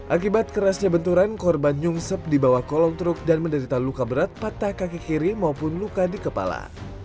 akibat kerasnya benturan korban nyungsep di bawah kolong truk dan menderita luka berat patah kaki kiri maupun luka di kepala